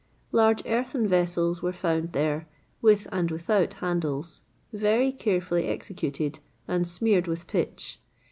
[XXVIII 70] Large earthen vessels were found there, with and without handles, very carefully executed, and smeared with pitch.